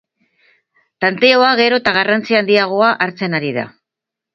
Tanteoa gero eta garrantzi handiagoa hartzen ari da.